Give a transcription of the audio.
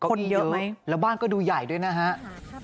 เก้าอี้เยอะและบ้านก็ดูใหญ่ด้วยนะครับ